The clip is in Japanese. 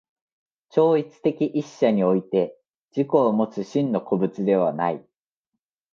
超越的一者において自己をもつ真の個物ではない。